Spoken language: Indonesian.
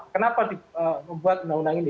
kenapa membuat undang undang ini